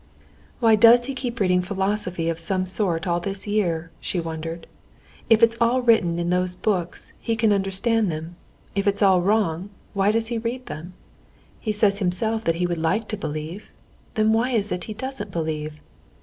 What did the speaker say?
"What does he keep reading philosophy of some sort for all this year?" she wondered. "If it's all written in those books, he can understand them. If it's all wrong, why does he read them? He says himself that he would like to believe. Then why is it he doesn't believe?